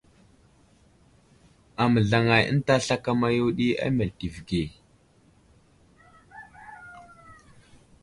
Aməzlaŋay ənta slakama yo ɗi a meltivi age.